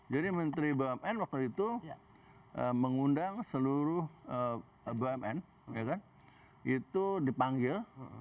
jadi menteri bumn waktu itu mengundang seluruh bumn ya kan itu dipanggil